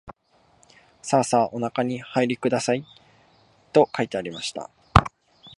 さあさあおなかにおはいりください、と書いてありました